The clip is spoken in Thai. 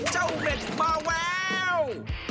เจ้าเม็ดมาแล้ว